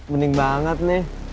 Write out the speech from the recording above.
mending banget nih